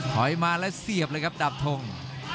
มาแล้วเสียบเลยครับดาบทง